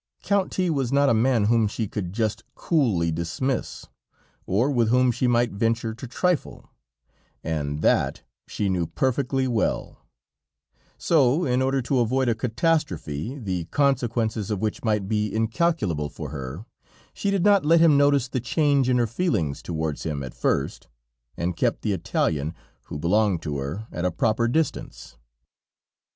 Count T was not a man whom she could just coolly dismiss, or with whom she might venture to trifle, and that she knew perfectly well; so in order to avoid a catastrophe, the consequences of which might be incalculable for her, she did not let him notice the change in her feelings towards him at first, and kept the Italian, who belonged to her, at a proper distance.